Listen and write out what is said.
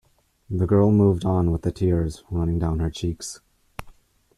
The girl moved on with the tears running down her cheeks.